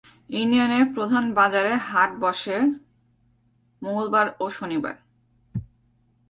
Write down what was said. ইউনিয়নের প্রধান বাজারে হাট বসে মঙ্গলবার ও শনিবার।